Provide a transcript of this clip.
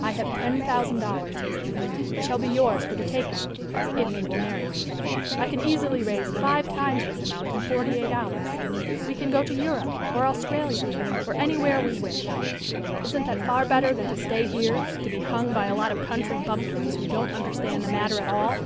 "I have ten thousand dollars here. It shall be yours for the taking if you will marry me. I can easily raise five times this amount in forty eight hours. We can go to Europe, or Australia, or anywhere we wish. Isn't that far better than to stay here, to be hung by a lot of country bumpkins, who don't understand the matter at all?"